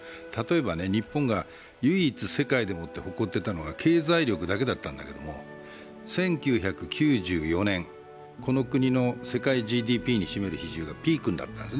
例えば日本が唯一、世界で誇っていたのが経済力だけだったんだけれども、１９９４年、この国の世界ＧＤＰに占める比率がピークになった。